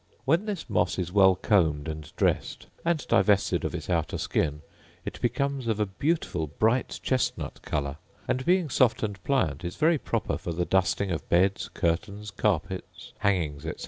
When this moss is well combed and dressed, and divested of its outer skin, it becomes of a beautiful bright chestnut colour; and, being soft and pliant, is very proper for the dusting of beds, curtains, carpets, hangings, etc.